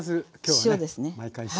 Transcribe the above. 塩ですね。